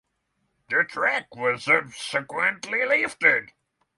The track was subsequently lifted.